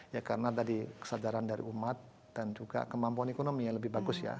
ya karena tadi kesadaran dari umat dan juga kemampuan ekonomi yang lebih bagus ya